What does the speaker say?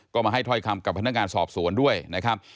ก็มาให้ถ้อยคำกับพนักงานสอบสวนด้วยนะครับ